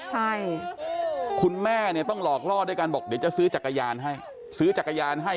ใช่คุณแม่เนี่ยต้องหลอกลอดด้วยการบอกเดี๋ยวจะซื้อจักรยานให้